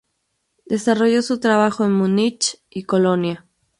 Desarrolló su trabajo en Múnich y Colonia.